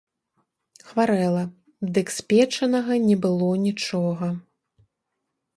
Хварэла, дык спечанага не было нічога.